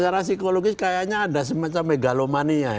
psikologis kayaknya ada semacam megalomania